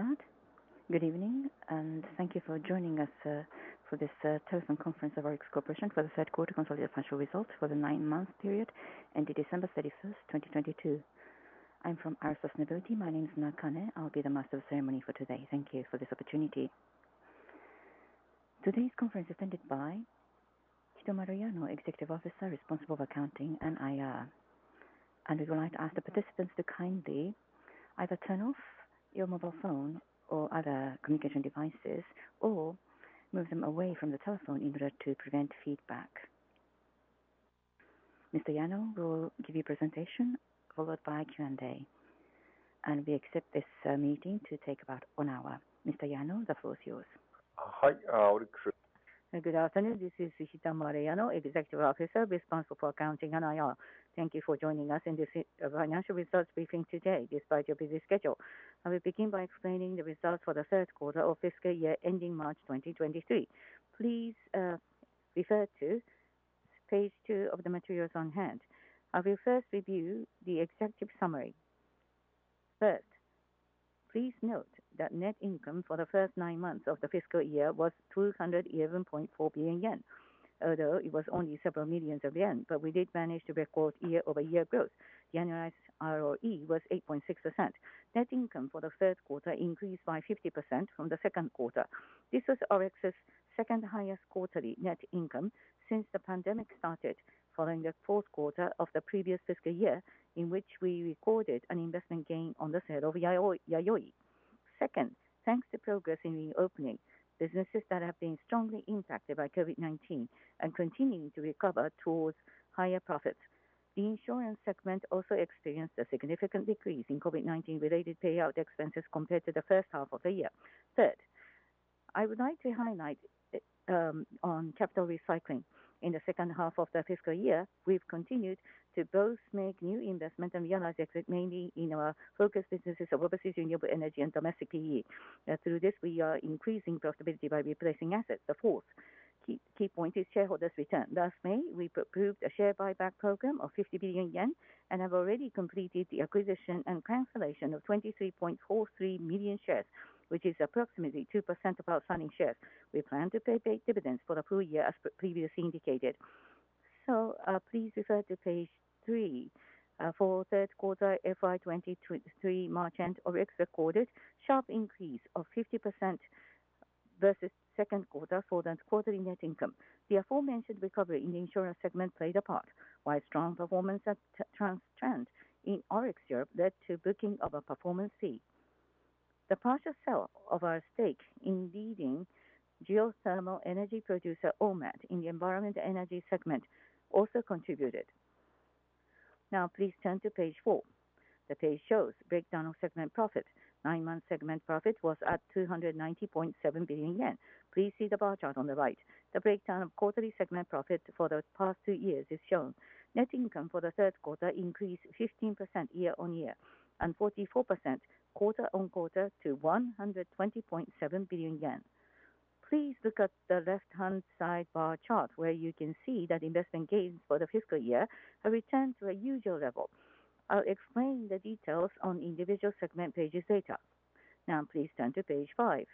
Start. Good evening, and thank you for joining us for this telephone conference of ORIX Corporation for the Q3 consolidated financial results for the nine-month period ending December 31, 2022. I'm from IR Sustainability. My name is Nakane. I'll be the master of ceremony for today. Thank you for this opportunity. Today's conference is attended by Hitomaro Yano, Executive Officer responsible for accounting and IR. We would like to ask the participants to kindly either turn off your mobile phone or other communication devices or move them away from the telephone in order to prevent feedback. Mr. Yano will give a presentation followed by Q&A, and we expect this meeting to take about 1 hour. Mr. Yano, the floor is yours. Hi. ORIX. Good afternoon. This is Hitomaro Yano, Executive Officer responsible for accounting and IR. Thank you for joining us in this financial results briefing today, despite your busy schedule. I will begin by explaining the results for the Q3 of fiscal year ending March 2023. Please refer to page two of the materials on hand. I will first review the executive summary. Please note that net income for the first nine months of the fiscal year was 211.4 billion yen, although it was only several million yen, we did manage to record year-over-year growth. Annualized ROE was 8.6%. Net income for the Q3 increased by 50% from the Q2. This was ORIX's 2nd highest quarterly net income since the pandemic started following the 4th quarter of the previous fiscal year, in which we recorded an investment gain on the sale of Yayoi. Thanks to progress in the opening, businesses that have been strongly impacted by COVID-19 are continuing to recover towards higher profits. The insurance segment also experienced a significant decrease in COVID-19 related payout expenses compared to the 1st half of the year. I would like to highlight on capital recycling. In the 2nd half of the fiscal year, we've continued to both make new investment and realize exit, mainly in our focus businesses of overseas renewable energy and domestic PE. Through this, we are increasing profitability by replacing assets. The 4th key point is shareholders return. Last May, we approved a share buyback program of 50 billion yen and have already completed the acquisition and cancellation of 23.43 million shares, which is approximately 2% of our outstanding shares. We plan to pay back dividends for the full year, as previously indicated. Please refer to page three for 3rd quarter FY 2023 March end ORIX recorded sharp increase of 50% versus 2nd quarter for the quarterly net income. The aforementioned recovery in the insurance segment played a part, while strong performance at Transtrend in ORIX Europe led to booking of a performance fee. The partial sale of our stake in leading geothermal energy producer Ormat in the environment and energy segment also contributed. Please turn to page four. The page shows breakdown of segment profit. Nine-month segment profit was at 290.7 billion yen. Please see the bar chart on the right. The breakdown of quarterly segment profit for the past two years is shown. Net income for the Q3 increased 15% year-on-year and 44% quarter-on-quarter to 120.7 billion yen. Please look at the left-hand side bar chart, where you can see that investment gains for the fiscal year have returned to a usual level. I'll explain the details on individual segment pages later. Please turn to page five.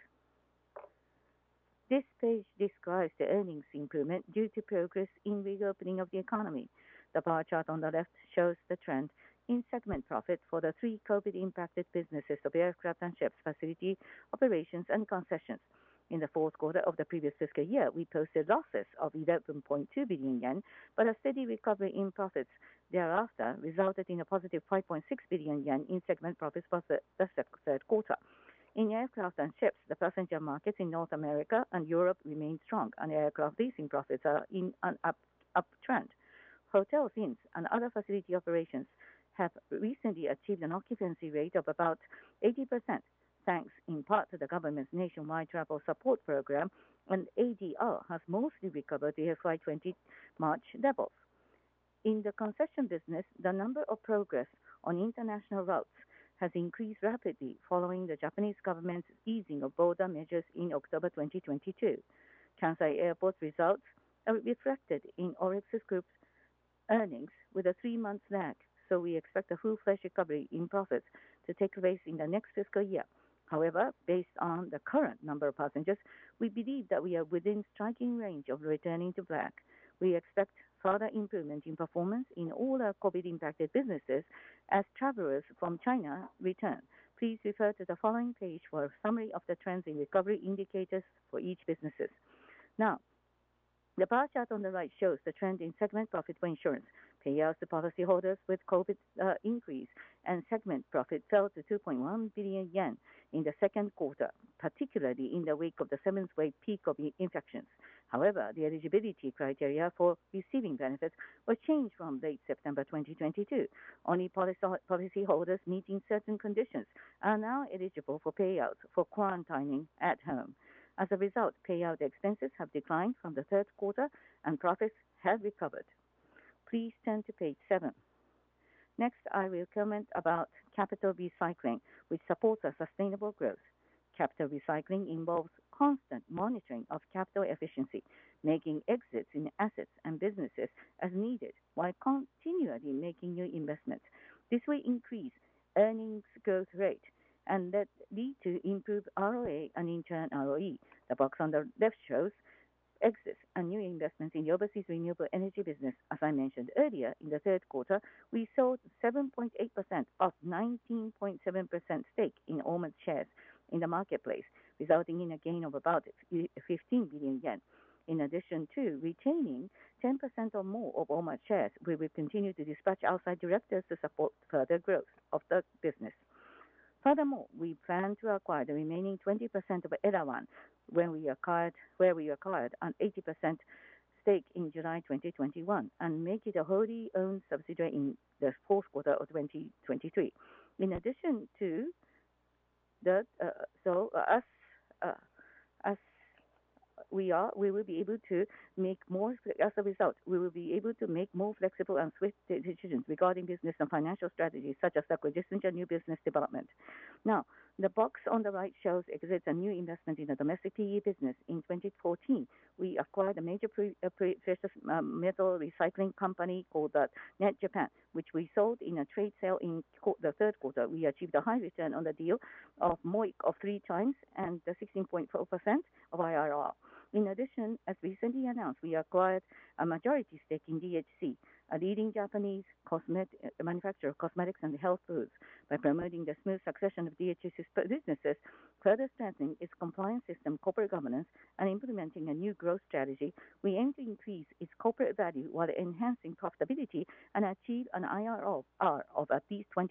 This page describes the earnings improvement due to progress in reopening of the economy. The bar chart on the left shows the trend in segment profit for the three COVID-impacted businesses of aircraft and ships, facility operations, and concessions. In the Q4 of the previous fiscal year, we posted losses of 11.2 billion yen, but a steady recovery in profits thereafter resulted in a positive 5.6 billion yen in segment profits for the Q3. In aircraft and ships, the passenger markets in North America and Europe remain strong, and aircraft leasing profits are in an up trend. Hotels, inns, and other facility operations have recently achieved an occupancy rate of about 80%, thanks in part to the government's nationwide travel support program, and ADR has mostly recovered to FY 20 March levels. In the concession business, the number of progress on international routes has increased rapidly following the Japanese government's easing of border measures in October 2022. Kansai Airport's results are reflected in ORIX's group's earnings with a three-month lag, we expect a full fresh recovery in profits to take place in the next fiscal year. Based on the current number of passengers, we believe that we are within striking range of returning to black. We expect further improvement in performance in all our COVID-impacted businesses as travelers from China return. Please refer to the following page for a summary of the trends in recovery indicators for each businesses. The bar chart on the right shows the trend in segment profit for insurance. Payouts to policyholders with COVID increase and segment profit fell to 2.1 billion yen in the Q2, particularly in the wake of the seventh wave peak of infections. The eligibility criteria for receiving benefits were changed from late September 2022. Only policyholders meeting certain conditions are now eligible for payouts for quarantining at home. As a result, payout expenses have declined from the Q3 and profits have recovered. Please turn to page 7. Next, I will comment about capital recycling, which supports our sustainable growth. Capital recycling involves constant monitoring of capital efficiency, making exits in assets and businesses as needed while continually making new investments. This will increase earnings growth rate and that lead to improved ROA and in turn ROE. The box on the left shows exits and new investments in the overseas renewable energy business. As I mentioned earlier, in the Q3, we sold 7.8% of 19.7% stake in Ormat shares in the marketplace, resulting in a gain of about 15 billion yen. In addition to retaining 10% or more of Ormat shares, we will continue to dispatch outside directors to support further growth of the business. We plan to acquire the remaining 20% of Elawan where we acquired an 80% stake in July 2021 and make it a wholly owned subsidiary in the Q4 of 2023. As a result, we will be able to make more flexible and swift decisions regarding business and financial strategies such as acquisition or new business development. The box on the right shows exits and new investment in the domestic PE business. In 2014, we acquired a major precious metal recycling company called NET JAPAN, which we sold in a trade sale in the Q3. We achieved a high return on the deal of MOIC of 3 times and a 16.4% of IRR. In addition, as recently announced, we acquired a majority stake in DHC, a leading Japanese manufacturer of cosmetics and health foods. By promoting the smooth succession of DHC's businesses, further strengthening its compliance system, corporate governance, and implementing a new growth strategy, we aim to increase its corporate value while enhancing profitability and achieve an IRR of at least 20%.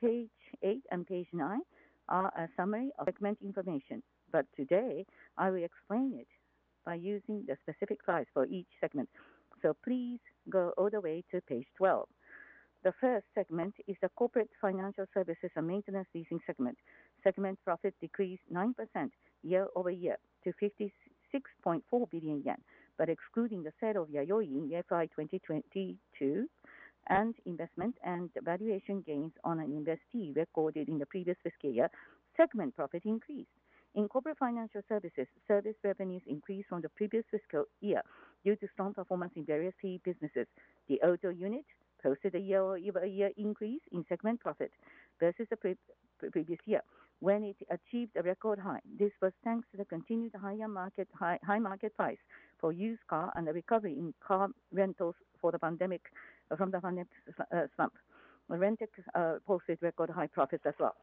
Page 8 and page 9 are a summary of segment information. Today, I will explain it by using the specific slides for each segment. Please go all the way to page 12. The first segment is the corporate financial services and maintenance leasing segment. Segment profit decreased 9% year-over-year to 56.4 billion yen. Excluding the sale of Yayoi in FY 2022 and investment and valuation gains on an investee recorded in the previous fiscal year, segment profit increased. In corporate financial services, service revenues increased from the previous fiscal year due to strong performance in various fee businesses. The auto unit posted a year-over-year increase in segment profit versus the pre-previous year, when it achieved a record high. This was thanks to the continued higher market, high market price for used car and the recovery in car rentals for the pandemic, from the pandemic slump. Rentec posted record high profits as well.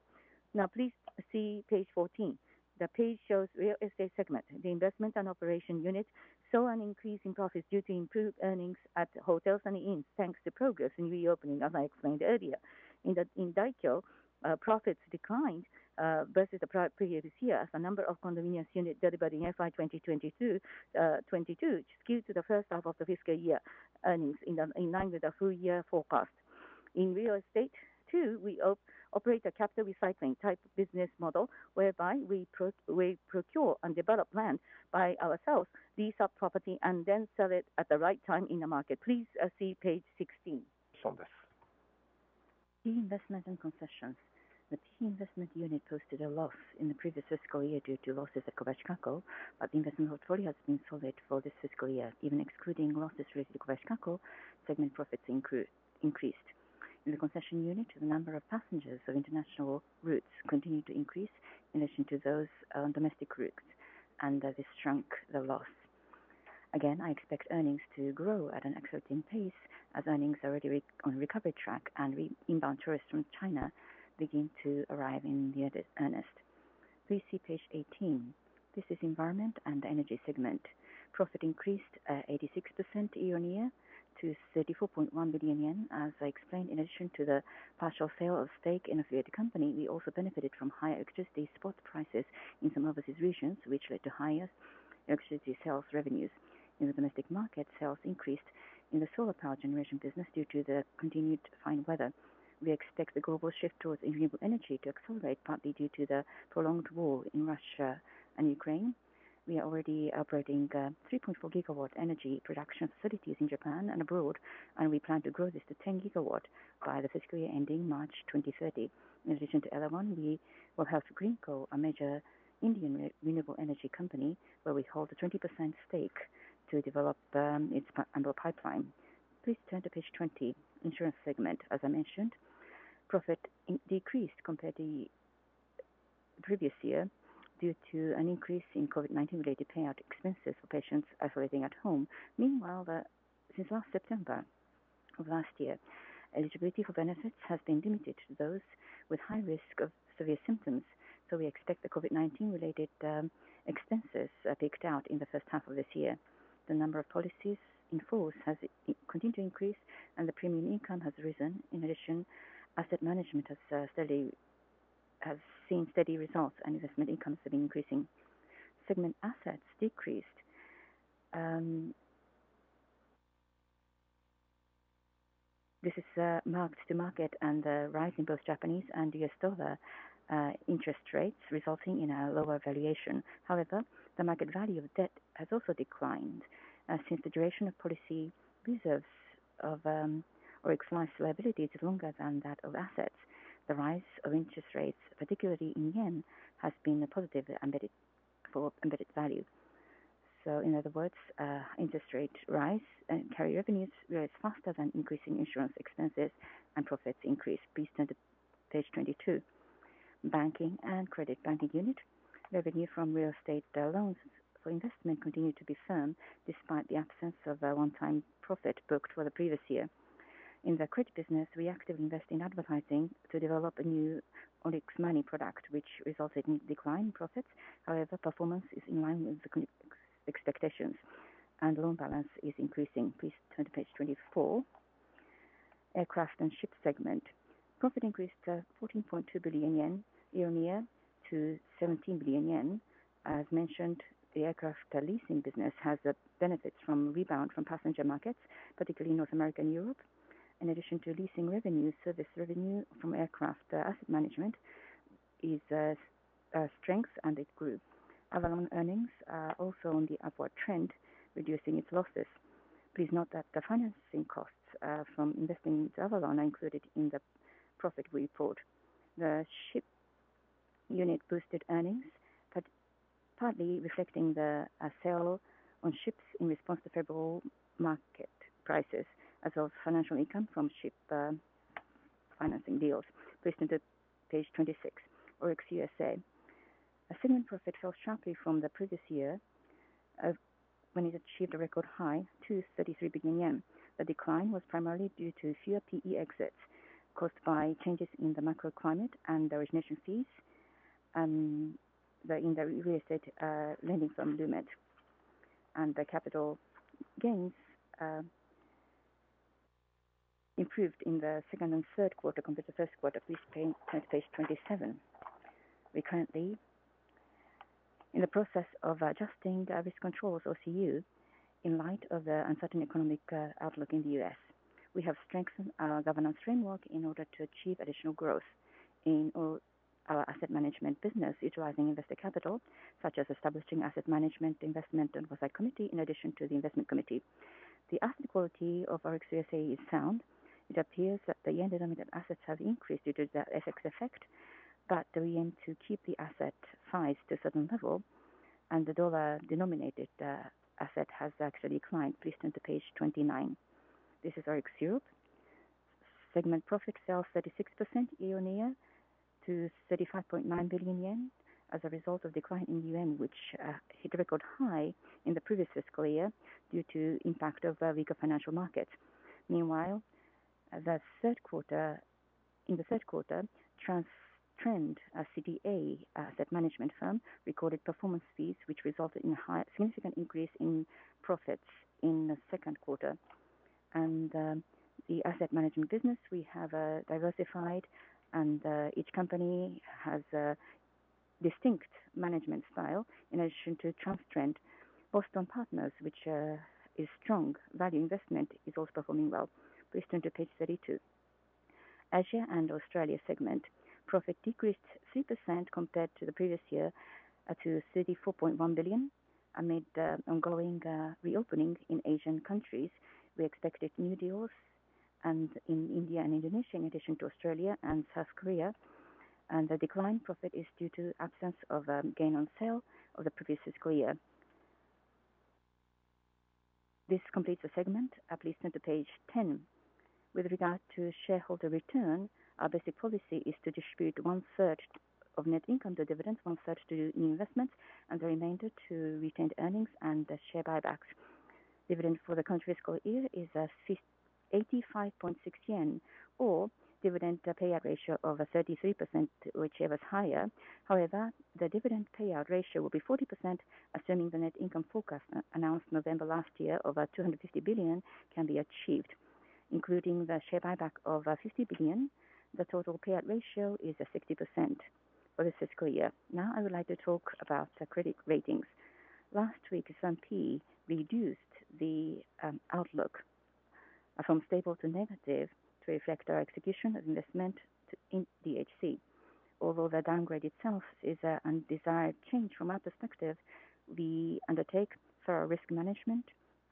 Now please see page 14. The page shows real estate segment. The investment and operation unit saw an increase in profits due to improved earnings at hotels and inns, thanks to progress in reopening, as I explained earlier. In Daikyo, profits declined versus the previous year as the number of condominium units delivered in FY 2022, 22 skewed to the first half of the fiscal year, earnings in line with the full year forecast. In real estate, too, we operate a capital recycling type business model whereby we procure and develop land by ourselves, lease our property, and then sell it at the right time in the market. Please see page 16. Key investment and concessions. The key investment unit posted a loss in the previous fiscal year due to losses at Kobayashi Kako, but the investment portfolio has been solid for this fiscal year. Even excluding losses related to Kobayashi Kako, segment profits increased. This shrunk the loss. Again, I expect earnings to grow at an accelerating pace as earnings are already on recovery track and inbound tourists from China begin to arrive in the earnest. Please see page 18. This is environment and energy segment. Profit increased 86% year-on-year to 34.1 billion yen. As I explained, in addition to the partial sale of stake in a third company, we also benefited from higher electricity spot prices in some overseas regions, which led to higher electricity sales revenues. In the domestic market, sales increased in the solar power generation business due to the continued fine weather. We expect the global shift towards renewable energy to accelerate, partly due to the prolonged war in Russia and Ukraine. We are already operating 3.4 gigawatt energy production facilities in Japan and abroad, and we plan to grow this to 10 gigawatt by the fiscal year ending March 2030. In addition to Elawan, we will help Greenko, a major Indian renewable energy company, where we hold a 20% stake to develop its under pipeline. Please turn to page 20, insurance segment. As I mentioned, profit decreased compared the previous year due to an increase in COVID-19 related payout expenses for patients isolating at home. Meanwhile, since last September of last year, eligibility for benefits has been limited to those with high risk of severe symptoms. We expect the COVID-19 related expenses peaked out in the first half of this year. The number of policies in force has continued to increase and the premium income has risen. In addition, asset management has seen steady results and investment income have been increasing. Segment assets decreased. This is marks to market and the rise in both Japanese and US dollar interest rates resulting in a lower valuation. However, the market value of debt has also declined since the duration of policy reserves of or excess liabilities is longer than that of assets. The rise of interest rates, particularly in yen, has been a positive embedded for embedded value. In other words, interest rate rise and carrier revenues rise faster than increasing insurance expenses and profits increase. Please turn to page 22. Banking and credit banking unit revenue from real estate loans for investment continued to be firm despite the absence of a one-time profit booked for the previous year. In the credit business, we actively invest in advertising to develop a new ORIX MONEY product, which resulted in decline in profits. Performance is in line with expectations and loan balance is increasing. Please turn to page 24. Aircraft and ship segment profit increased to 14.2 billion yen year-on-year to 17 billion yen. As mentioned, the aircraft leasing business has the benefits from rebound from passenger markets, particularly North America and Europe. In addition to leasing revenues, service revenue from aircraft asset management is a strength and it grew. Avolon earnings are also on the upward trend, reducing its losses. Please note that the financing costs from investing in Avolon are included in the profit report. The ship unit boosted earnings, partly reflecting the sale on ships in response to favorable market prices as well as financial income from ship financing deals. Please turn to page 26. ORIX USA. Segment profit fell sharply from the previous year, when it achieved a record high to 33 billion yen. The decline was primarily due to fewer PE exits caused by changes in the macro climate and the origination fees, and in the real estate lending from Lument. Capital gains improved in the Q2 and Q3 compared to Q1. Please turn to page 27. We currently in the process of adjusting the risk controls OCU in light of the uncertain economic outlook in the U.S. We have strengthened our governance framework in order to achieve additional growth in our asset management business utilizing invested capital such as establishing asset management investment oversight committee in addition to the investment committee. The asset quality of ORIX USA is sound. It appears that the yen-denominated assets have increased due to the FX effect, we aim to keep the asset size to a certain level and the dollar-denominated asset has actually declined. Please turn to page 29. This is ORIX Europe. Segment profit fell 36% year-on-year to 35.9 billion yen as a result of decline in UN, which hit a record high in the previous fiscal year due to impact of vigor financial markets. Meanwhile, in the Q3, Transtrend, a CTA asset management firm, recorded performance fees, which resulted in high significant increase in profits in the Q2. The asset management business we have diversified and each company has a distinct management style. In addition to Transtrend, Boston Partners, which is strong value investment, is also performing well. Please turn to page 32. Asia and Australia segment profit decreased 3% compared to the previous year to 34.1 billion amid the ongoing reopening in Asian countries. We expected new deals and in India and Indonesia, in addition to Australia and South Korea, and the decline profit is due to absence of gain on sale of the previous fiscal year. This completes the segment. Please turn to page 10. With regard to shareholder return, our basic policy is to distribute 1/3 of net income to dividends, 1/3 to new investments and the remainder to retained earnings and the share buybacks. Dividends for the current fiscal year is 85.6 yen or dividend payout ratio of 33%, whichever is higher. However, the dividend payout ratio will be 40%, assuming the net income forecast announced November last year of 250 billion can be achieved, including the share buyback of 50 billion. The total payout ratio is 60% for this fiscal year. I would like to talk about the credit ratings. Last week, S&P reduced the outlook from Stable to Negative to reflect our execution of investment to in DHC. Although the downgrade itself is a undesired change from our perspective, we undertake thorough risk management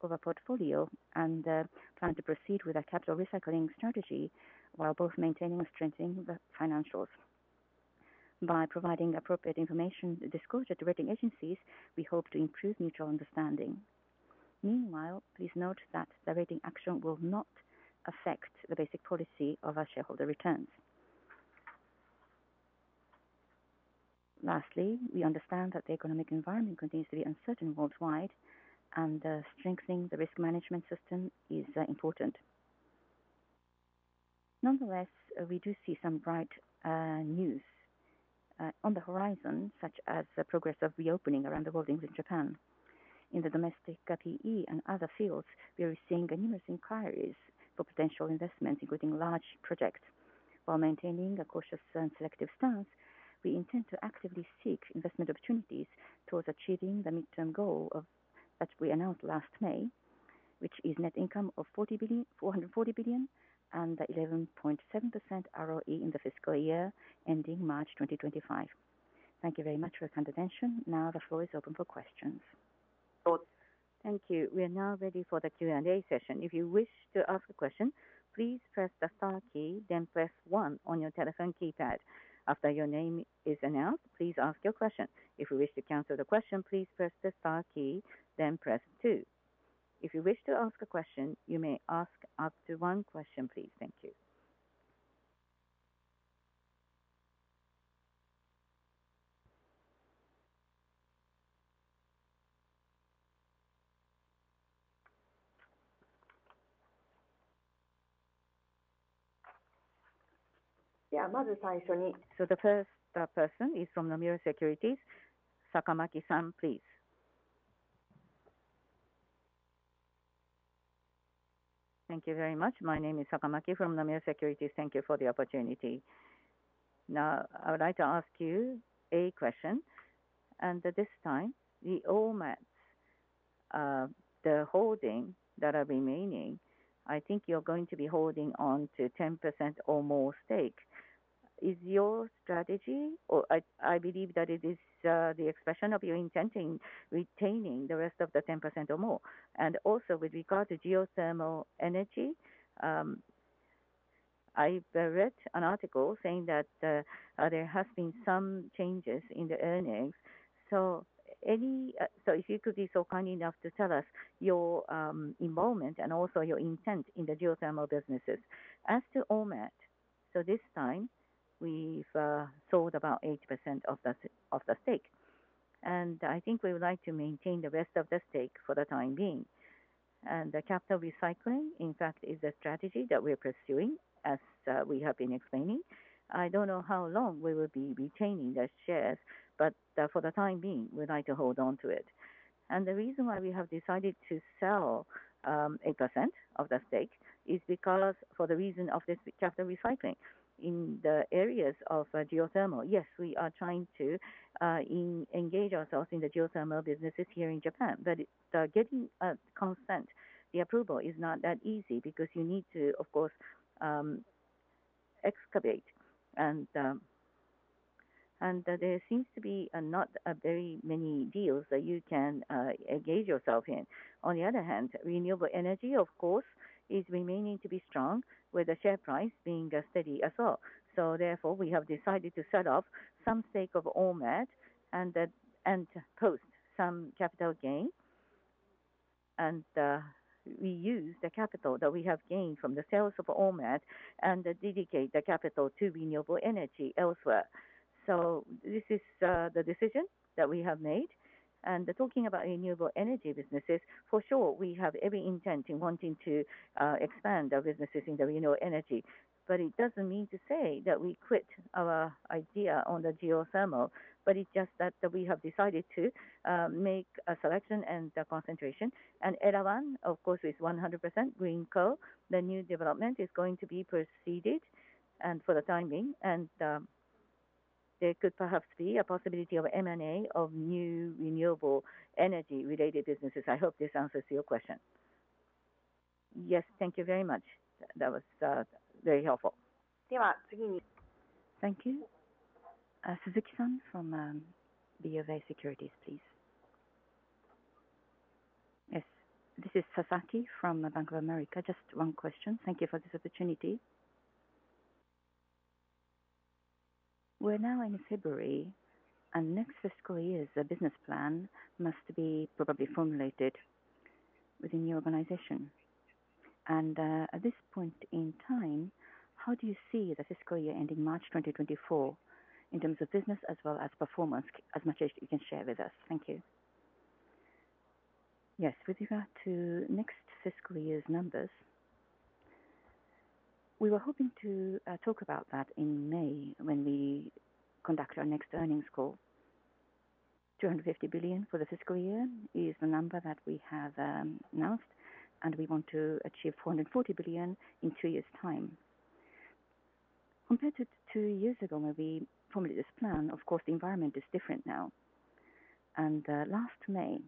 of our portfolio and plan to proceed with our capital recycling strategy while both maintaining and strengthening the financials. By providing appropriate information disclosure to rating agencies, we hope to improve mutual understanding. Meanwhile, please note that the rating action will not affect the basic policy of our shareholder returns. Lastly, we understand that the economic environment continues to be uncertain worldwide, and strengthening the risk management system is important. Nonetheless, we do see some bright news on the horizon, such as the progress of reopening around the world, including Japan. In the domestic PE and other fields, we are seeing numerous inquiries for potential investments, including large projects. While maintaining a cautious and selective stance, we intend to actively seek investment opportunities towards achieving the midterm goal of that we announced last May, which is net income of 440 billion and 11.7% ROE in the fiscal year ending March 2025. Thank you very much for your kind attention. Now the floor is open for questions. Thank you. We are now ready for the Q&A session. If you wish to ask a question, please press the star key then press One on your telephone keypad. After your name is announced, please ask your question. If you wish to cancel the question, please press the star key then press Two. If you wish to ask a question, you may ask up to one question, please. Thank you. The first person is from Nomura Securities. Sakamoto, please. Thank you very much. My name is Sakamoto from Nomura Securities. Thank you for the opportunity. Now, I would like to ask you a question. At this time, the Ormat, the holding that are remaining, I think you're going to be holding on to 10% or more stake. Is your strategy or I believe that it is the expression of your intent in retaining the rest of the 10% or more. Also with regard to geothermal energy, I read an article saying that there has been some changes in the earnings. If you could be so kind enough to tell us your involvement and also your intent in the geothermal businesses. As to Ormat, this time we've sold about 80% of the stake, and I think we would like to maintain the rest of the stake for the time being. The capital recycling, in fact, is a strategy that we're pursuing as we have been explaining. I don't know how long we will be retaining the shares, but for the time being, we'd like to hold on to it. The reason why we have decided to sell 8% of the stake is because for the reason of this capital recycling. In the areas of geothermal, yes, we are trying to engage ourselves in the geothermal businesses here in Japan. It's getting consent, the approval is not that easy because you need to, of course, excavate. There seems to be not very many deals that you can engage yourself in. On the other hand, renewable energy of course, is remaining to be strong with the share price being steady as well. Therefore, we have decided to set up some stake of Ormat and post some capital gain. We use the capital that we have gained from the sales of Ormat and dedicate the capital to renewable energy elsewhere. This is the decision that we have made. Talking about renewable energy businesses, for sure we have every intent in wanting to expand our businesses in the renewable energy. It doesn't mean to say that we quit our idea on the geothermal, but it's just that we have decided to make a selection and the concentration. Elawan, of course, is 100% Greenko. The new development is going to be proceeded and for the time being. There could perhaps be a possibility of M&A of new renewable energy related businesses. I hope this answers your question. Yes. Thank you very much. That was very helpful. Thank you. Suzuki-san from BofA Securities, please. Yes. This is Suzuki from Bank of America. Just one question. Thank you for this opportunity. We're now in February and next fiscal year's business plan must be probably formulated within the organization. At this point in time, how do you see the fiscal year ending March 2024 in terms of business as well as performance? As much as you can share with us. Thank you. Yes. With regard to next fiscal year's numbers, we were hoping to talk about that in May when we conduct our next earnings call. 250 billion for the fiscal year is the number that we have announced, and we want to achieve 440 billion in two years time. Compared to two years ago when we formulated this plan, of course, the environment is different now. Last May,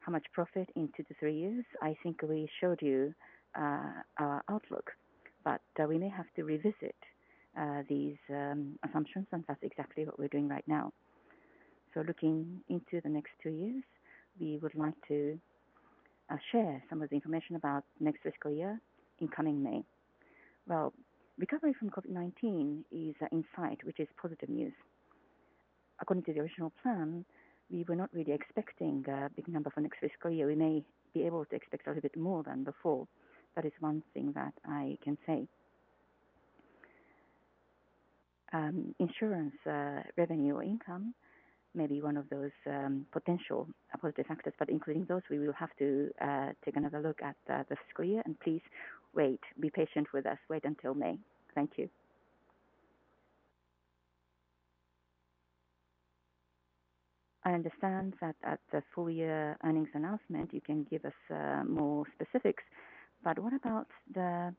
how much profit in 2-3 years? I think we showed you our outlook, but we may have to revisit these assumptions, and that's exactly what we're doing right now. Looking into the next two years, we would like to share some of the information about next fiscal year in coming May. Well, recovery from COVID-19 is in sight, which is positive news. According to the original plan, we were not really expecting a big number for next fiscal year. We may be able to expect a little bit more than before. That is one thing that I can say. Insurance revenue or income may be one of those potential positive factors. Including those, we will have to take another look at the fiscal year. Please wait. Be patient with us. Wait until May. Thank you. I understand that at the full year earnings announcement you can give us more specifics. What about the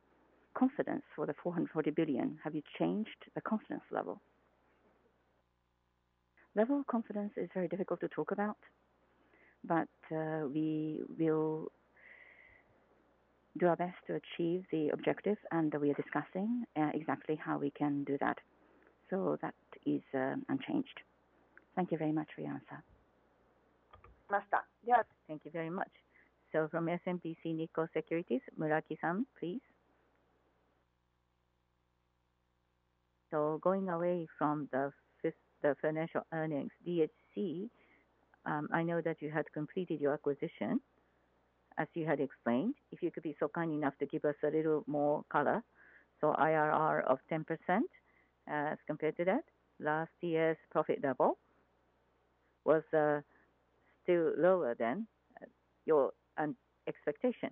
confidence for the 440 billion? Have you changed the confidence level? Level of confidence is very difficult to talk about, but, we will do our best to achieve the objective, and we are discussing, exactly how we can do that. That is unchanged. Thank you very much for your answer. Master. Yes. Thank you very much. From SMBC Nikko Securities, Muraki-san, please. Going away from the financial earnings, DHC, I know that you had completed your acquisition, as you had explained. If you could be so kind enough to give us a little more color. IRR of 10% as compared to that. Last year's profit level was still lower than your expectation.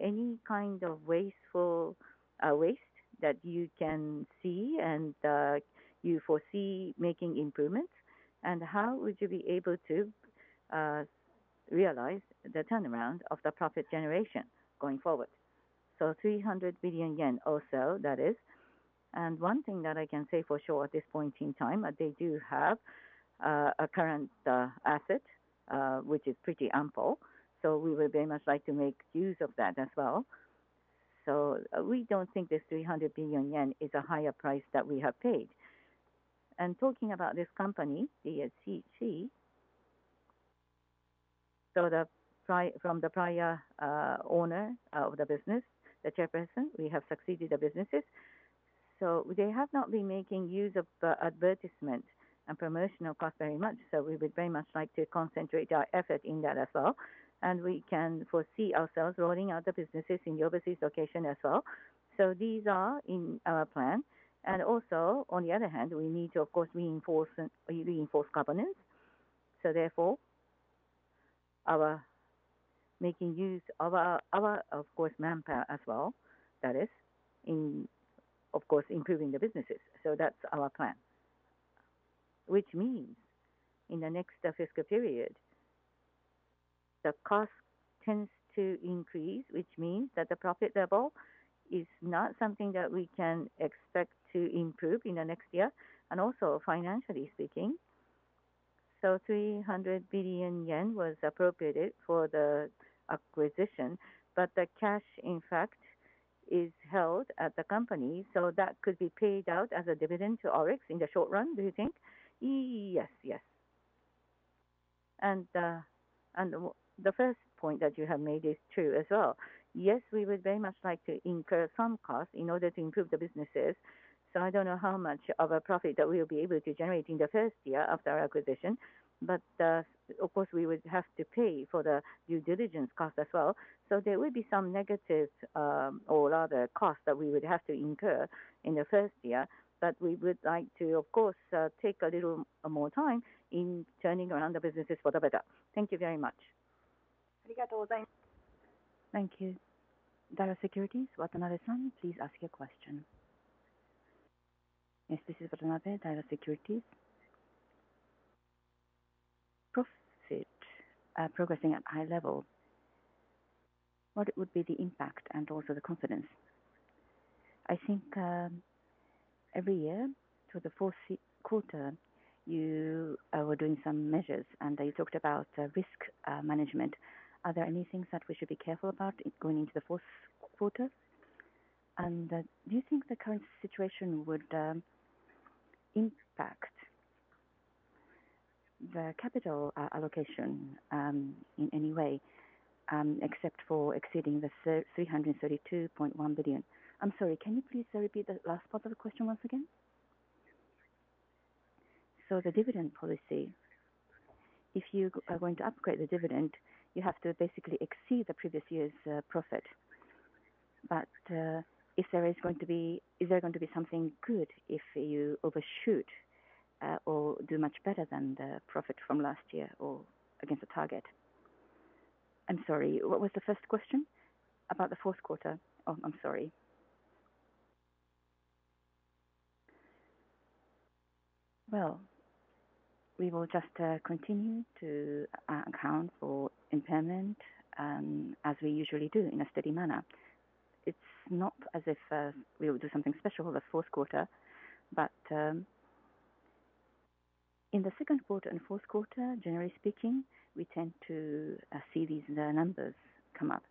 Any kind of wasteful waste that you can see and that you foresee making improvements? How would you be able to realize the turnaround of the profit generation going forward? 300 billion yen or so, that is. One thing that I can say for sure at this point in time, they do have a current asset which is pretty ample, so we would very much like to make use of that as well. We don't think this 300 billion yen is a higher price that we have paid. Talking about this company, DHC, from the prior owner of the business, the chairperson, we have succeeded the businesses. They have not been making use of advertisement and promotional cost very much, so we would very much like to concentrate our effort in that as well. We can foresee ourselves rolling out the businesses in the overseas location as well. These are in our plan. On the other hand, we need to, of course, reinforce governance. Therefore, our making use of our, of course, manpower as well, that is, in, of course, improving the businesses. That's our plan. Means in the next fiscal period, the cost tends to increase, which means that the profit level is not something that we can expect to improve in the next year. Also, financially speaking, 300 billion yen was appropriated for the acquisition, but the cash, in fact, is held at the company, that could be paid out as a dividend to ORIX in the short run, do you think? Yes. Yes. The first point that you have made is true as well. Yes, we would very much like to incur some costs in order to improve the businesses, so I don't know how much of a profit that we will be able to generate in the first year of their acquisition. But, of course, we would have to pay for the due diligence cost as well. There will be some negative, or rather costs that we would have to incur in the first year. But we would like to, of course, take a little more time in turning around the businesses for the better. Thank you very much. Thank you. Daiwa Securities, Watanabe-san, please ask your question. Yes, this is Watanabe, Daiwa Securities. Profit, progressing at high level, what would be the impact and also the confidence? I think, every year through the Q4, you were doing some measures, and you talked about risk management. Are there any things that we should be careful about going into the Q4? Do you think the current situation would impact the capital allocation in any way, except for exceeding the 332.1 billion? I'm sorry. Can you please repeat the last part of the question once again? The dividend policy, if you are going to upgrade the dividend, you have to basically exceed the previous year's profit. If there is going to be something good if you overshoot or do much better than the profit from last year or against the target? I'm sorry, what was the first question? About the Q4. I'm sorry. Well, we will just continue to account for impairment, as we usually do in a steady manner. It's not as if we will do something special the Q4, but in the Q2 and Q4, generally speaking, we tend to see these numbers come up.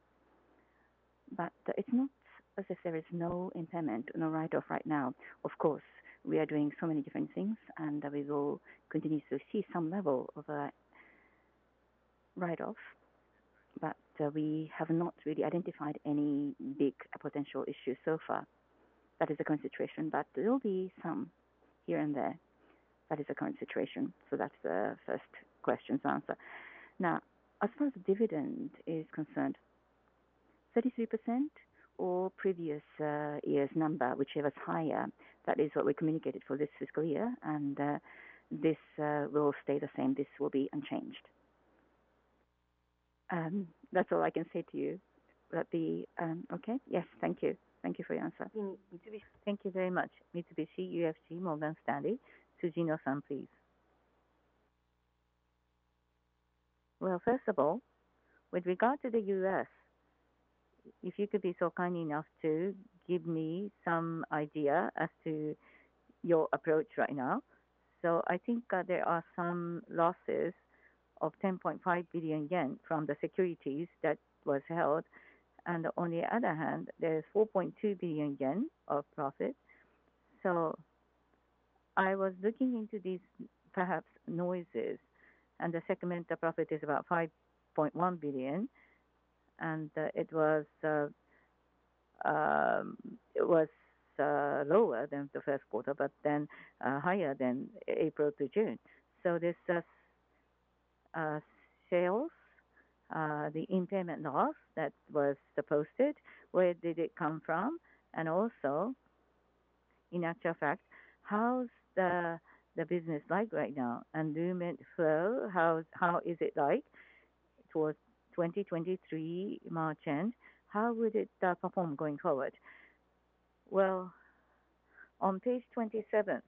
It's not as if there is no impairment, no write-off right now. Of course, we are doing so many different things, and we will continue to see some level of a write-off, but we have not really identified any big potential issue so far. That is the current situation. There will be some here and there. That is the current situation. That's the first question's answer. Now, as far as dividend is concerned, 33% or previous, year's number, whichever is higher, that is what we communicated for this fiscal year. This will stay the same. This will be unchanged. That's all I can say to you. Will that be okay? Yes. Thank you. Thank you for your answer. Thank you very much. Mitsubishi UFJ Morgan Stanley, Tsujino-san, please. Well, first of all, with regard to the U.S., if you could be so kind enough to give me some idea as to your approach right now. I think that there are some losses of 10.5 billion yen from the securities that was held, and on the other hand, there's 4.2 billion yen of profit. I was looking into these perhaps noises, and the segmental profit is about 5.1 billion, and it was lower than the Q1, but then higher than April to June. This sales, the impairment loss that was posted, where did it come from? Also, in actual fact, how's the business like right now? Lument, how is it like towards 2023 March end? How would it perform going forward? On page 27,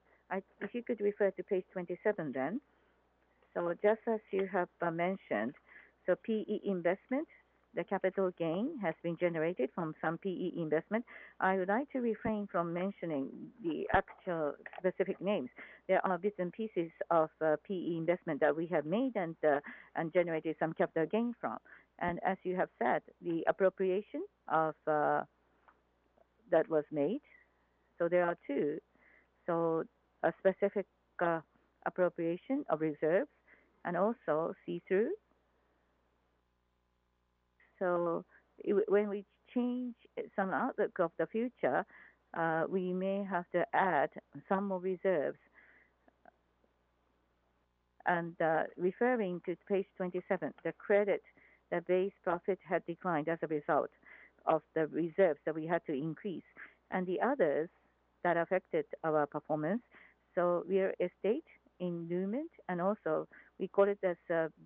if you could refer to page 27 then. Just as you have mentioned, PE investment, the capital gain has been generated from some PE investment. I would like to refrain from mentioning the actual specific names. There are bits and pieces of PE investment that we have made and generated some capital gains from. As you have said, the appropriation of that was made. There are two. A specific appropriation of reserves and also see-through. When we change some outlook of the future, we may have to add some more reserves. Referring to page 27, the credit, the base profit had declined as a result of the reserves that we had to increase and the others that affected our performance. Real estate endowment, and also we call it as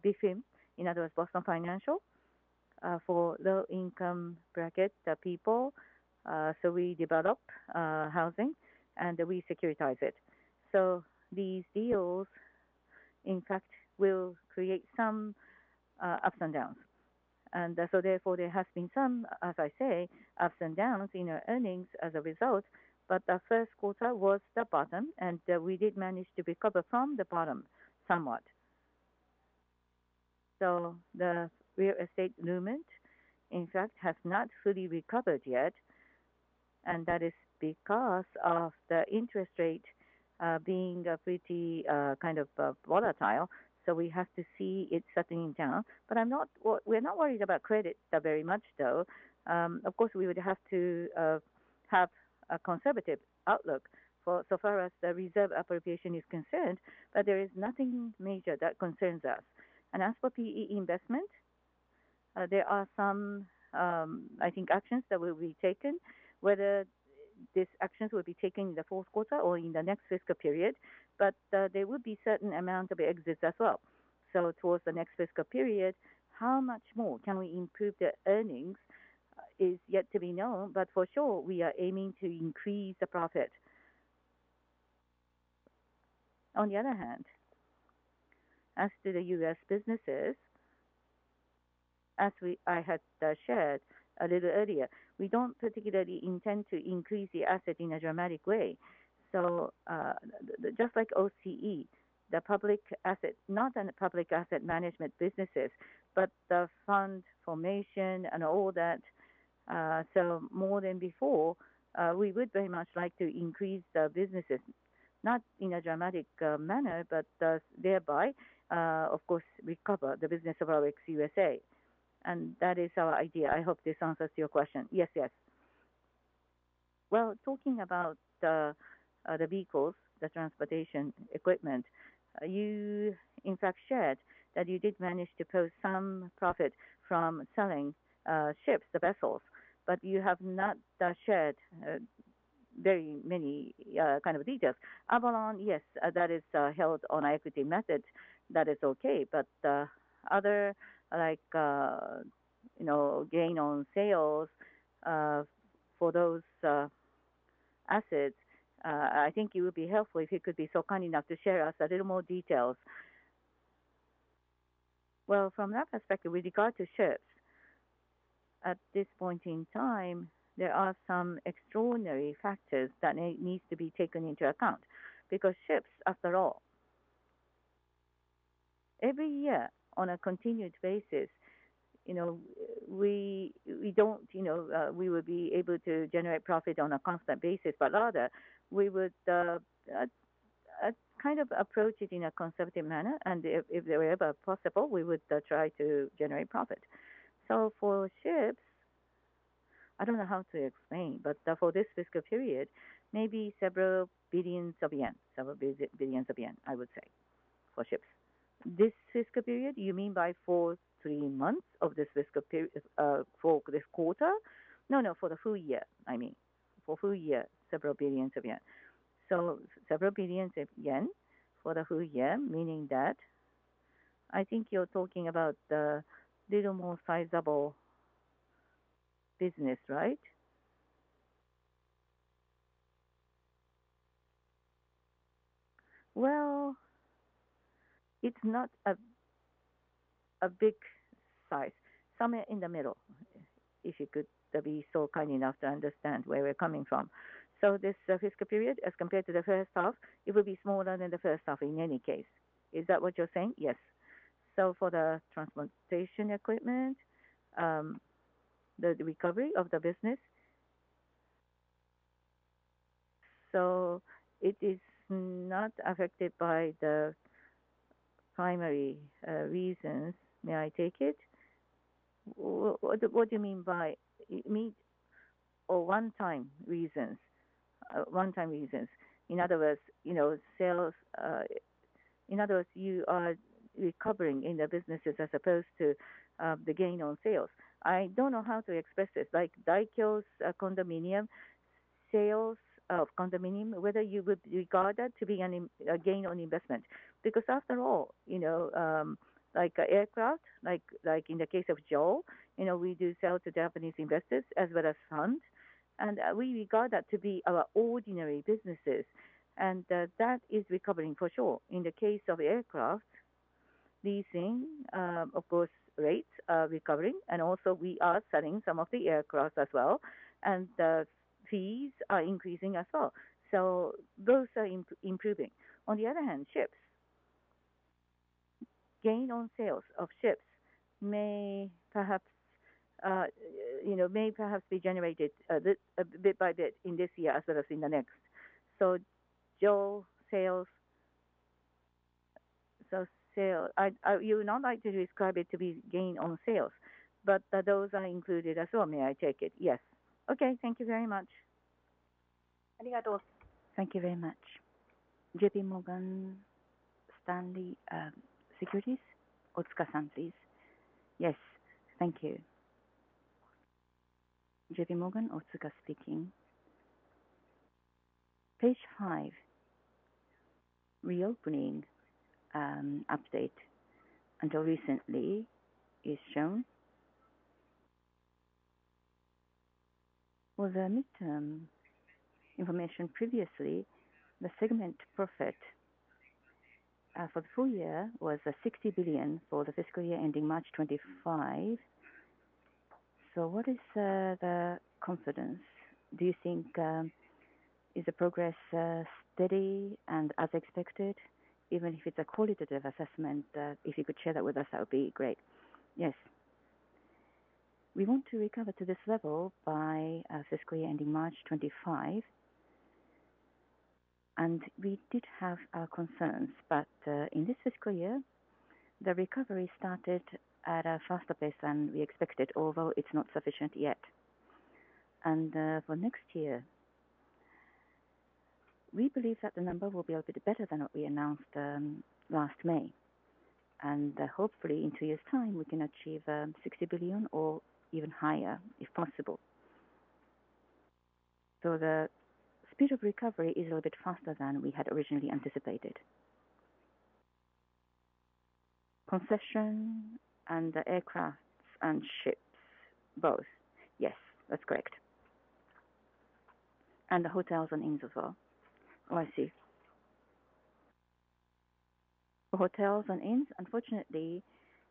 BFIM, in other words, Boston Financial, for low income bracket people. We develop housing and we securitize it. These deals, in fact, will create some ups and downs. Therefore, there has been some, as I say, ups and downs in our earnings as a result. The Q1 was the bottom, and we did manage to recover from the bottom somewhat. The real estate loomint, in fact, has not fully recovered yet, and that is because of the interest rate being pretty kind of volatile. We have to see it settling down. We're not worried about credit very much, though. Of course, we would have to have a conservative outlook for so far as the reserve appropriation is concerned, but there is nothing major that concerns us. As for PE investment, there are some, I think actions that will be taken, whether these actions will be taken in the Q4 or in the next fiscal period. There will be certain amount of exits as well. Towards the next fiscal period, how much more can we improve the earnings is yet to be known, but for sure, we are aiming to increase the profit. On the other hand, as to the U.S. businesses, as I had shared a little earlier, we don't particularly intend to increase the asset in a dramatic way. Just like OCE, the public asset, not in public asset management businesses, but the fund formation and all that, more than before, we would very much like to increase the businesses, not in a dramatic manner, but thereby, of course, recover the business of ORIX USA. That is our idea. I hope this answers your question. Yes, yes. Well, talking about the vehicles, the transportation equipment, you in fact shared that you did manage to post some profit from selling ships, the vessels, but you have not shared very many kind of details. Avolon, yes, that is held on equity method. That is okay. Other like, you know, gain on sales, for those assets, I think it would be helpful if you could be so kind enough to share us a little more details. From that perspective, with regard to ships, at this point in time, there are some extraordinary factors that needs to be taken into account, because ships, after all, every year on a continued basis, you know, we don't, you know, we would be able to generate profit on a constant basis, but rather we would, kind of approach it in a conservative manner, and if they were ever possible, we would try to generate profit. For ships, I don't know how to explain, but, for this fiscal period, maybe several billion yen. Several billion yen, I would say, for ships. This fiscal period, you mean for 3 months of this fiscal period, for this quarter? No, for the full year, I mean. For full year, several billions of yen. Several billions of yen for the full year, meaning that I think you're talking about the little more sizable business, right? It's not a big size, somewhere in the middle. If you could be so kind enough to understand where we're coming from. This fiscal period, as compared to the first half, it will be smaller than the first half in any case. Is that what you're saying? Yes. For the transportation equipment, the recovery of the business? It is not affected by the primary reasons. May I take it? What do you mean by or one time reasons? One time reasons. In other words, you know, sales. In other words, you are recovering in the businesses as opposed to the gain on sales. I don't know how to express this. Like Daikyo's condominium, sales of condominium, whether you would regard that to be a gain on investment. Because after all, you know, like aircraft, like in the case of JAL, you know, we do sell to Japanese investors as well as funds, and we regard that to be our ordinary businesses, and that is recovering for sure. In the case of aircraft leasing, of course, rates are recovering, and also we are selling some of the aircraft as well, and the fees are increasing as well. Those are improving. On the other hand, ships. Gain on sales of ships may perhaps, you know, may perhaps be generated bit by bit in this year as well as in the next. JAL sales. You would not like to describe it to be gain on sales, but those are included as well, may I take it? Yes. Okay. Thank you very much. Thank you very much. J.P. Morgan Securities, Otsuka-san, please. Yes. Thank you. JP Morgan, Otsuka speaking. Page 5, reopening update until recently is shown. For the midterm information previously, the segment profit for the full year was 60 billion for the fiscal year ending March 2025. What is the confidence? Do you think is the progress steady and as expected? Even if it's a qualitative assessment, if you could share that with us, that would be great. Yes. We want to recover to this level by fiscal year ending March 2025. We did have our concerns, but in this fiscal year, the recovery started at a faster pace than we expected, although it's not sufficient yet. For next year, we believe that the number will be a bit better than what we announced last May. Hopefully in 2 years' time, we can achieve 60 billion or even higher, if possible. The speed of recovery is a little bit faster than we had originally anticipated. Concession and the aircrafts and ships both? Yes, that's correct. The hotels and inns as well? Oh, I see. Hotels and inns, unfortunately,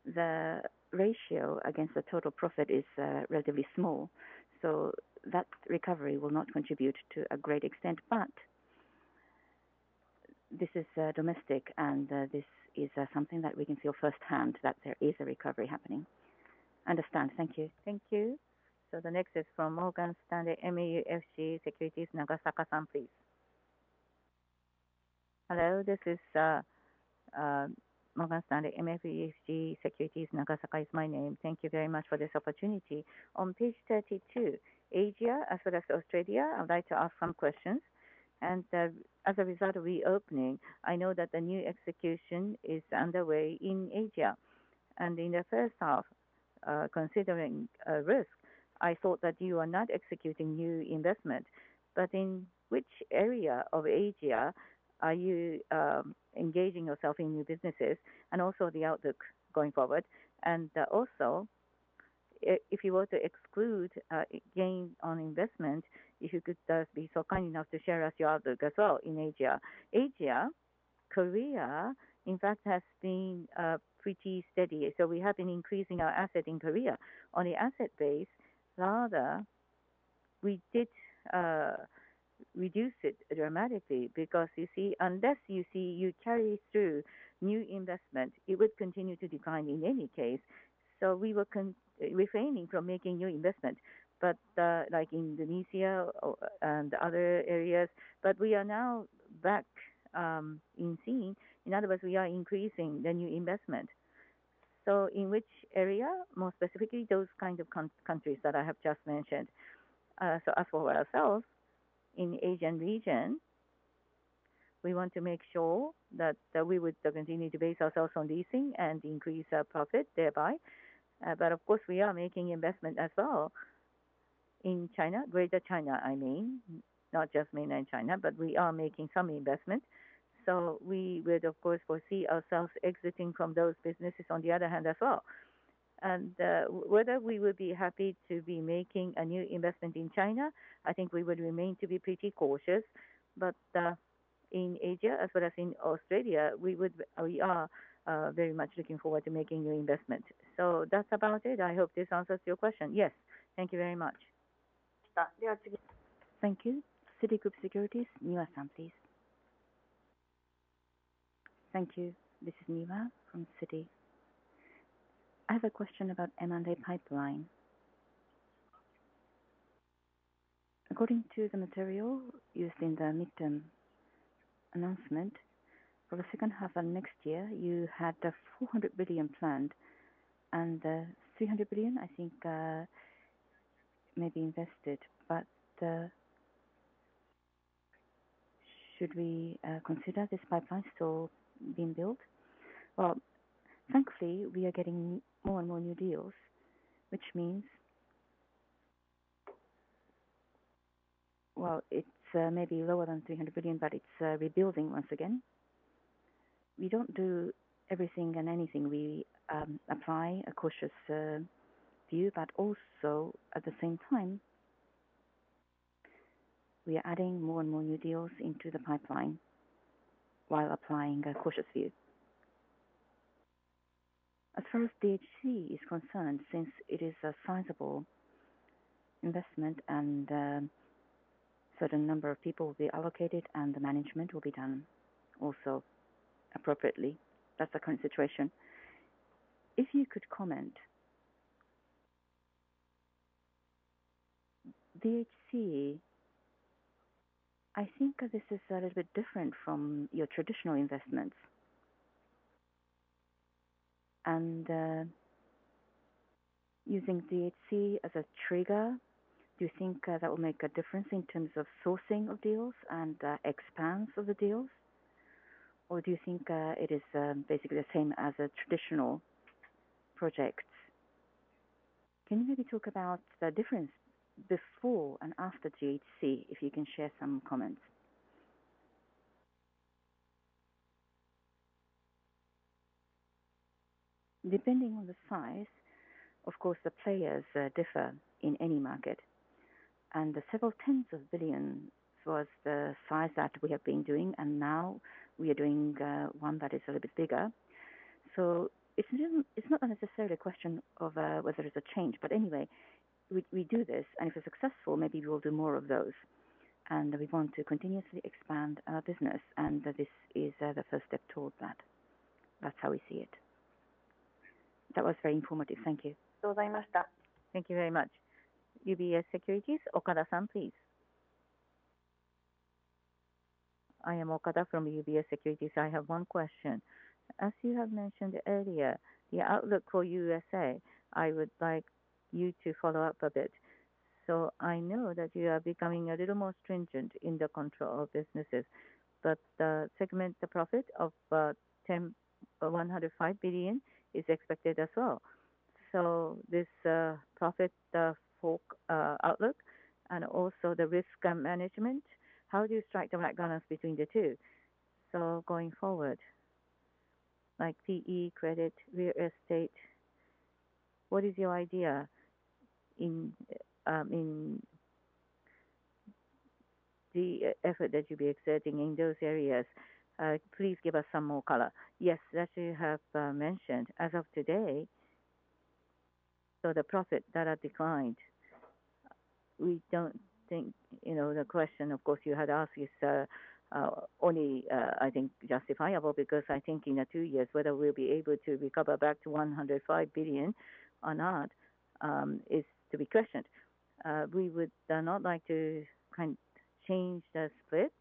the ratio against the total profit is relatively small, so that recovery will not contribute to a great extent. This is domestic and this is something that we can feel firsthand that there is a recovery happening. Understand. Thank you. Thank you. The next is from Morgan Stanley MUFG Securities, Nagasaka-san, please. Hello, this is Morgan Stanley MUFG Securities. Nagasaka is my name. Thank you very much for this opportunity. On page 32, Asia as well as Australia, I would like to ask some questions. As a result of reopening, I know that the new execution is underway in Asia. In the first half, considering risk, I thought that you are not executing new investment, but in which area of Asia are you engaging yourself in new businesses and also the outlook going forward? Also, if you were to exclude gain on investment, if you could be so kind enough to share us your outlook as well in Asia. Asia, Korea, in fact, has been pretty steady. We have been increasing our asset in Korea. On the asset base, rather, we did reduce it dramatically because, you see, unless you carry through new investment, it would continue to decline in any case. We were refraining from making new investment. Like Indonesia or, and other areas, but we are now back in scene. In other words, we are increasing the new investment. In which area? More specifically, those kind of countries that I have just mentioned. As for ourselves in Asian region, we want to make sure that we would continue to base ourselves on leasing and increase our profit thereby. Of course, we are making investment as well in China, Greater China, I mean, not just mainland China, but we are making some investment. We would of course foresee ourselves exiting from those businesses on the other hand as well. Whether we will be happy to be making a new investment in China, I think we would remain to be pretty cautious. In Asia as well as in Australia, we are very much looking forward to making new investment. That's about it. I hope this answers your question. Yes. Thank you very much. Thank you. Citigroup Securities, Miwa-san, please. Thank you. This is Miwa from Citi. I have a question about M&A pipeline. According to the material used in the midterm announcement, for the second half of next year, you had 400 billion planned and, 300 billion, I think, may be invested. Should we, consider this pipeline still being built? Well, frankly, we are getting more and more new deals, which means. Well, it's maybe lower than 300 billion, but it's rebuilding once again. We don't do everything and anything. We apply a cautious view, but also, at the same time, we are adding more and more new deals into the pipeline while applying a cautious view. As far as DHC is concerned, since it is a sizable investment and certain number of people will be allocated and the management will be done also appropriately. That's the current situation. If you could comment. DHC, I think this is a little bit different from your traditional investments. Using DHC as a trigger, do you think that will make a difference in terms of sourcing of deals and expanse of the deals? Do you think it is basically the same as a traditional project? Can you maybe talk about the difference before and after DHC, if you can share some comments? Depending on the size, of course, the players differ in any market. Several tens of billions was the size that we have been doing, and now we are doing one that is a little bit bigger. It's not necessarily a question of whether it's a change. Anyway, we do this, and if it's successful, maybe we'll do more of those. We want to continuously expand our business, and this is the first step towards that. That's how we see it. That was very informative. Thank you. Thank you very much. UBS Securities, Okada-san, please. I am Okada from UBS Securities. I have 1 question. As you have mentioned earlier, your outlook for USA, I would like you to follow up a bit. I know that you are becoming a little more stringent in the control of businesses, but the segment, the profit of 10 billion or 105 billion is expected as well. This profit fork outlook and also the risk management, how do you strike the right balance between the two? Going forward, like PE, credit, real estate, what is your idea in the effort that you'll be exerting in those areas? Please give us some more color. Yes. As you have mentioned, as of today, the profit that has declined, we don't think, you know, the question of course you had asked is only I think justifiable. I think in a two years, whether we'll be able to recover back to 105 billion or not, is to be questioned. We would not like to kind of change the split.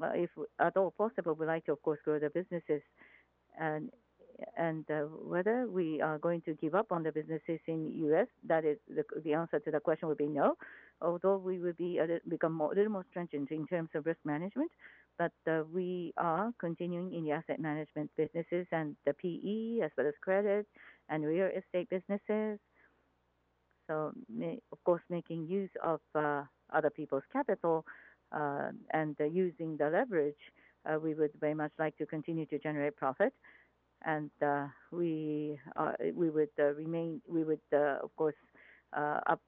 Well, if at all possible, we'd like to of course grow the businesses. Whether we are going to give up on the businesses in U.S., that is the answer to the question would be no. Although we will be become more, a little more stringent in terms of risk management, but we are continuing in the asset management businesses and the PE as well as credit and real estate businesses. Of course, making use of other people's capital and using the leverage, we would very much like to continue to generate profit. We would, of course,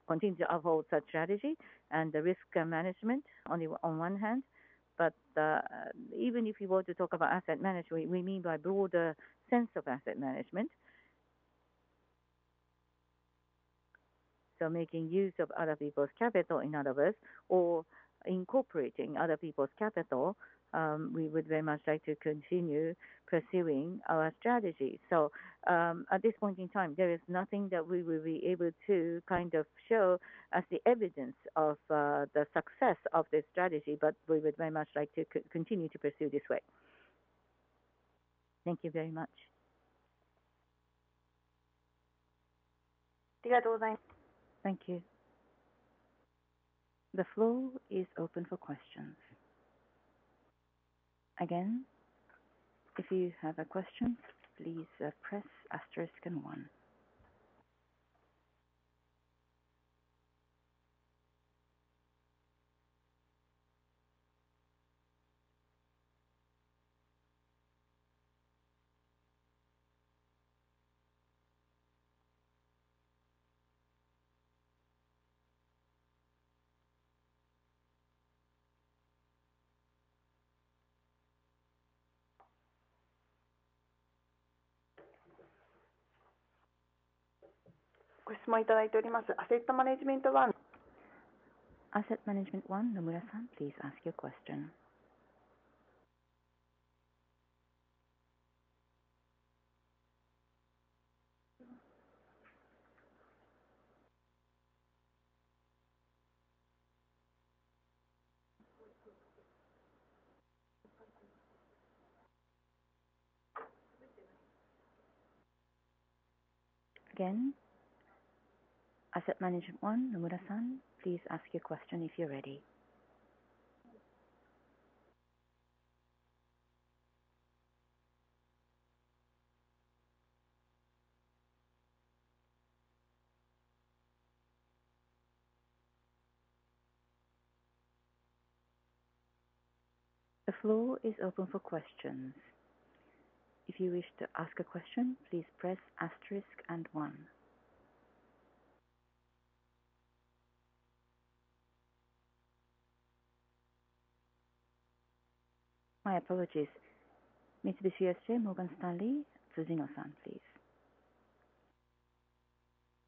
continue to uphold such strategy and the risk management on the one hand. Even if you were to talk about asset management, we mean by broader sense of asset management. Making use of other people's capital, in other words, or incorporating other people's capital, we would very much like to continue pursuing our strategy. At this point in time, there is nothing that we will be able to kind of show as the evidence of the success of this strategy, but we would very much like to continue to pursue this way. Thank you very much. Thank you. The floor is open for questions. Again, if you have a question, please press asterisk and one. Asset Management One. Nomura-san, please ask your question. Again, Asset Management One, Nomura-san, please ask your question if you're ready. The floor is open for questions. If you wish to ask a question, please press asterisk and one. My apologies. Mitsubishi UFJ Morgan Stanley, Tsujino-san, please.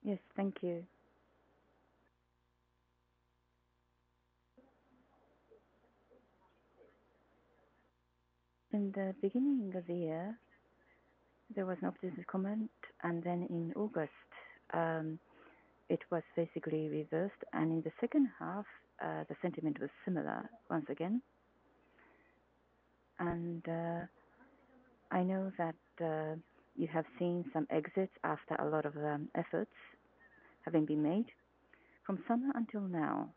Yes, thank you. In the beginning of the year, there was an optimistic comment, and then in August, it was basically reversed. In the second half, the sentiment was similar once again. I know that you have seen some exits after a lot of efforts having been made. From summer until now,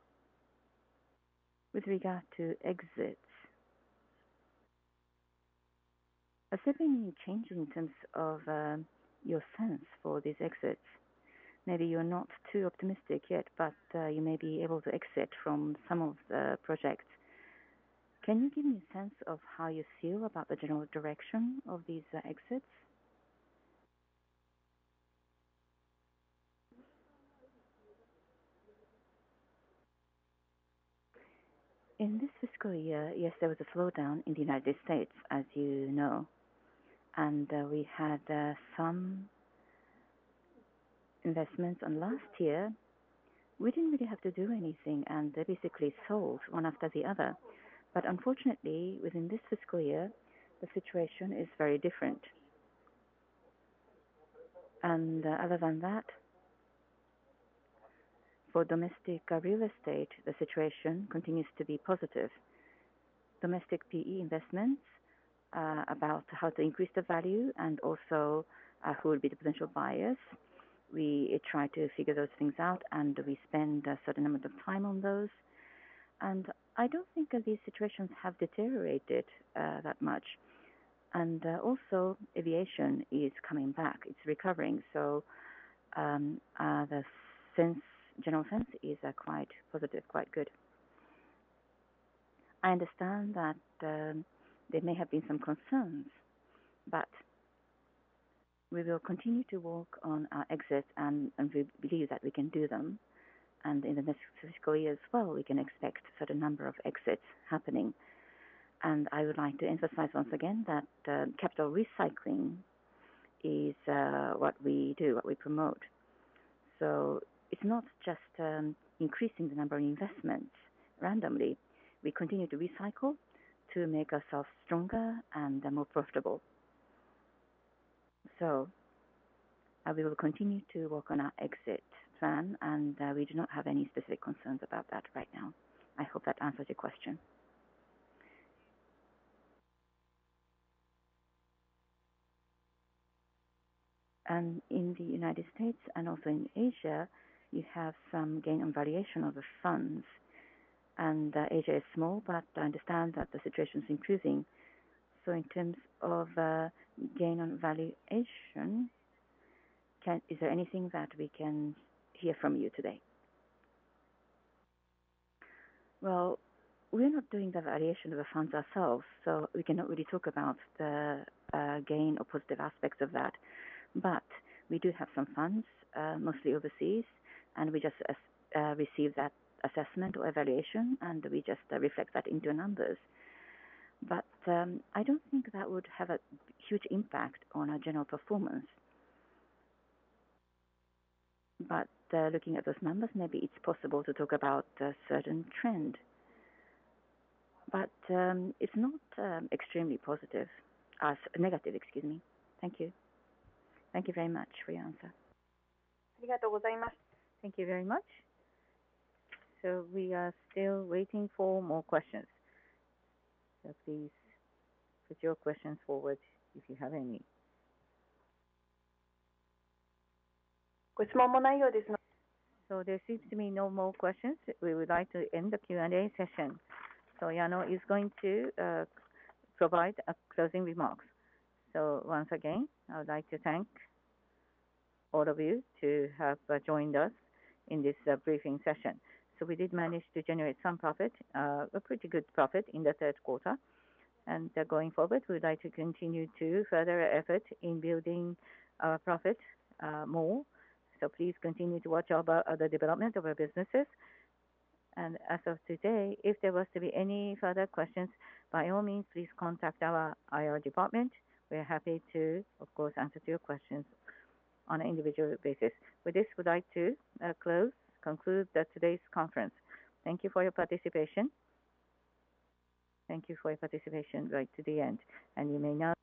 with regard to exits, has there been any change in terms of your sense for these exits? Maybe you're not too optimistic yet, but you may be able to exit from some of the projects. Can you give me a sense of how you feel about the general direction of these exits? In this fiscal year, yes, there was a slowdown in the United States, as you know. We had some investments. Last year, we didn't really have to do anything, and they basically sold one after the other. Unfortunately, within this fiscal year, the situation is very different. Other than that, for domestic real estate, the situation continues to be positive. Domestic PE investments, about how to increase the value and also, who would be the potential buyers, we try to figure those things out, and we spend a certain amount of time on those. I don't think that these situations have deteriorated that much. Also aviation is coming back. It's recovering. The sense, general sense is quite positive, quite good. I understand that there may have been some concerns, but we will continue to work on our exits, and we believe that we can do them. In the next fiscal year as well, we can expect certain number of exits happening. I would like to emphasize once again that capital recycling is what we do, what we promote. It's not just increasing the number of investment randomly. We continue to recycle to make ourselves stronger and more profitable. We will continue to work on our exit plan, and we do not have any specific concerns about that right now. I hope that answers your question. In the United States and also in Asia, you have some gain on valuation of the funds. Asia is small, but I understand that the situation is improving. In terms of gain on valuation, is there anything that we can hear from you today? We're not doing the valuation of the funds ourselves, so we cannot really talk about the gain or positive aspects of that. We do have some funds, mostly overseas, and we just receive that assessment or evaluation, and we just reflect that into numbers. I don't think that would have a huge impact on our general performance. Looking at those numbers, maybe it's possible to talk about a certain trend. It's not extremely positive. Negative, excuse me. Thank you. Thank you very much for your answer. Thank you very much. We are still waiting for more questions. Please put your questions forward if you have any. There seems to be no more questions. We would like to end the Q&A session. Yano is going to provide closing remarks. Once again, I would like to thank all of you to have joined us in this briefing session. We did manage to generate some profit, a pretty good profit in the Q3. Going forward, we would like to continue to further our effort in building our profit more. Please continue to watch our the development of our businesses. As of today, if there was to be any further questions, by all means, please contact our IR department. We're happy to, of course, answer to your questions on an individual basis. With this, we'd like to conclude today's conference. Thank you for your participation. Thank you for your participation right to the end. You may now.